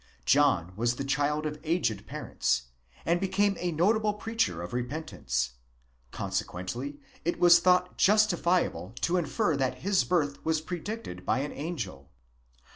John was the child of aged parents, and became a notable preacher of repentance ; consequently it was thought justifiable to infer that his birth was predicted by anangel.